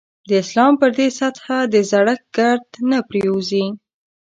د اسلام پر دې سطح د زړښت ګرد نه پرېوځي.